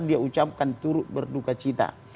dia ucapkan turut berduka cita